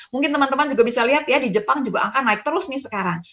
mungkin teman teman juga bisa lihat ya di jepang juga angka naik terus nih sekarang